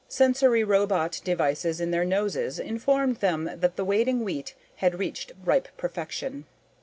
Sensory robot devices in their noses informed them that the waiting wheat had reached ripe perfection.